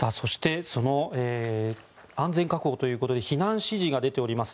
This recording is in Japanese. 安全確保ということで避難指示が出ております。